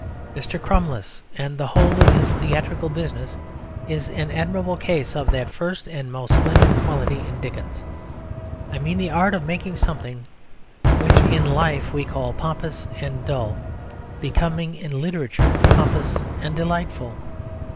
Mr. Crummles and the whole of his theatrical business is an admirable case of that first and most splendid quality in Dickens I mean the art of making something which in life we call pompous and dull, becoming in literature pompous and delightful.